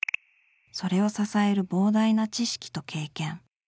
それを支える膨大な知識と経験。